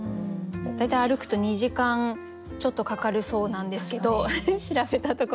大体歩くと２時間ちょっとかかるそうなんですけど調べたところ。